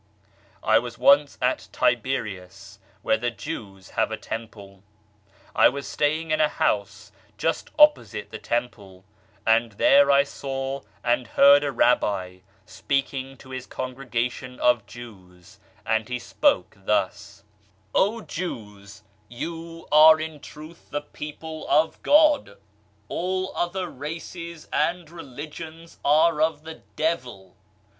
I was once at Tiberias where the Jews have a Temple. I was staying in a house just opposite the Temple, and there I saw and heard a Rabbi speaking to his congre gation of Jews, and he spoke thus :" O Jews, you are in truth the people of God 1 All other races and religions are of the devil.